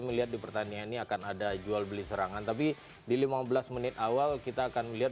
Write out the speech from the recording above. melihat di pertandingan ini akan ada jual beli serangan tapi di lima belas menit awal kita akan melihat